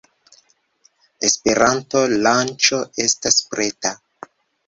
Esperanto-lanĉo estas preta